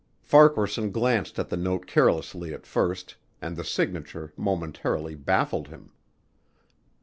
Farquaharson glanced at the note carelessly at first and the signature momentarily baffled him.